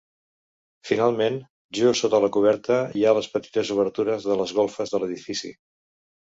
Finalment, just sota la coberta hi ha les petites obertures de les golfes de l'edifici.